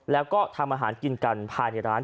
แล้วก็ทำอาหารกินกันภายในร้าน